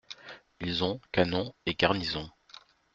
Ils ont canon et garnison.